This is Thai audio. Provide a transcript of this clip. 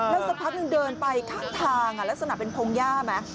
แล้วสักพักนึงเดินไปข้างทางลักษณะเป็นพงหญ้าไหม